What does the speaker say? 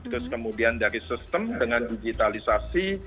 terus kemudian dari sistem dengan digitalisasi